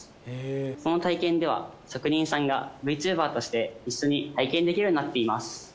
その体験では職人さんがＶチューバーとして一緒に体験できるようになっています。